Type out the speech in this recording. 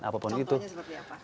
contohnya seperti apa